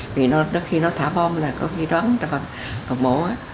vì đó khi nó thả bom là có khi đón vào hầm mổ